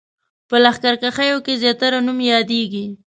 په لښکرکښیو کې زیاتره نوم یادېږي.